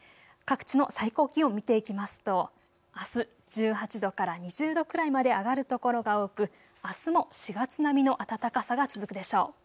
各地の最高気温、見ていきますとあす１８度から２０度くらいまで上がる所が多くあすも４月並みの暖かさが続くでしょう。